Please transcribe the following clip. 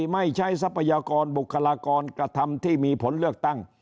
ไม่ใช้ทรัพยากรบุคลากรกระทำที่มีผลเลือกตั้ง